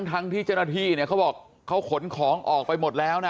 ทั้งที่จนาทีเขาบอกเขาขนของออกไปหมดแล้วนะ